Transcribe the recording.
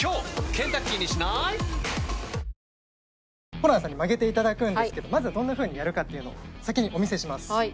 ホランさんに曲げていただくんですけどまずどんな風にやるかというのを先にお見せします。